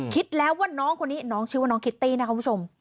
คิดแล้วว่าน้องคนนี้น้องชื่อว่าน้องคิตตี้นะครับคุณผู้ชม